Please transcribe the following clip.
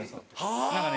何かね